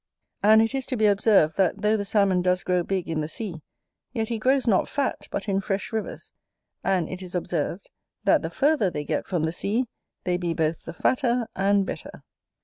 And it is to be observed, that though the Salmon does grow big in the sea, yet he grows not fat but in fresh rivers; and it is observed, that the farther they get from the sea, they be both the fatter and better.